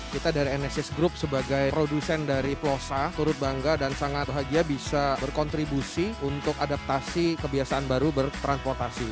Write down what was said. kita dari enesis group sebagai produsen dari plosa turut bangga dan sangat bahagia bisa berkontribusi untuk adaptasi kebiasaan baru bertransportasi